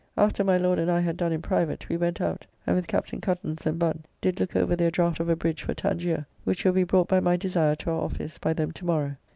After my Lord and I had done in private, we went out, and with Captain Cuttance and Bunn did look over their draught of a bridge for Tangier, which will be brought by my desire to our office by them to morrow.